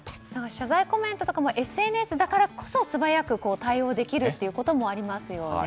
謝罪コメントとかもＳＮＳだからこそ素早く対応できることもありますよね。